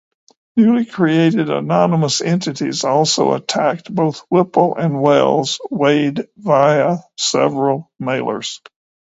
Newly created anonymous entities also attacked both Whipple and Wells weighed via several mailers.